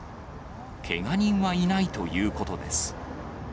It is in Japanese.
けが人はいないということです。